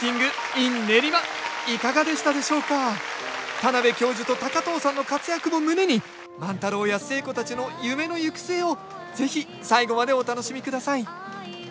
田邊教授と高藤さんの活躍も胸に万太郎や寿恵子たちの夢の行く末を是非最後までお楽しみください